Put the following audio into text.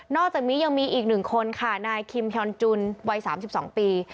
อกจากนี้ยังมีอีก๑คนค่ะนายคิมฮอนจุนวัย๓๒ปี